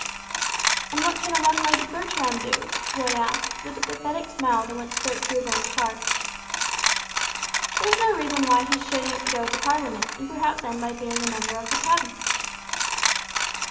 "And what can a one legged Bertram do?" Roy asked, with a pathetic smile that went straight to his aunt's heart. "There's no reason why he shouldn't go into Parliament, and perhaps end by being a member of the cabinet."